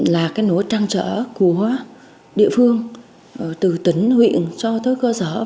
là cái nối trang trở của địa phương từ tỉnh huyện cho tới cơ sở